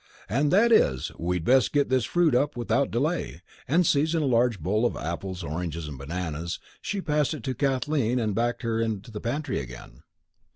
" and that is, we'd best get this fruit up without delay," and seizing a large bowl of apples, oranges, and bananas, she passed it to Kathleen and backed her into the pantry again.